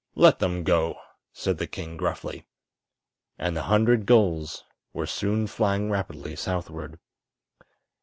"Let them go!" said the king, gruffly. And the hundred gulls were soon flying rapidly southward.